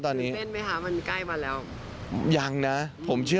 ตื่นเต้นไหมคะมันใกล้มาแล้ว